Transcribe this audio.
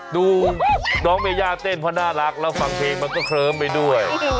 ดูน้องเมย่าเต้นเพราะน่ารักแล้วฟังเพลงมันก็เคลิ้มไปด้วย